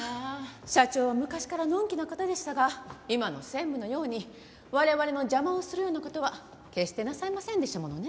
社長は昔からのんきな方でしたが今の専務のように我々の邪魔をするような事は決してなさいませんでしたものね。